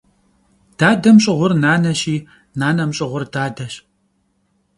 Dadem ş'ığur naneşi, nanem ş'ığur dadeş.